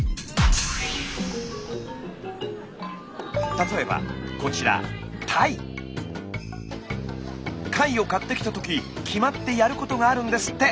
例えばこちら貝を買ってきた時決まってやることがあるんですって。